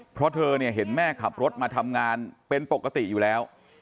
เพราะเธอเนี่ยเห็นแม่ขับรถมาทำงานเป็นปกติอยู่แล้ว